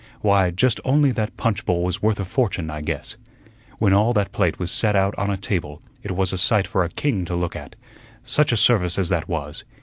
Why, just only that punch bowl was worth a fortune, I guess. When all that plate was set out on a table, it was a sight for a king to look at. Such a service as that was!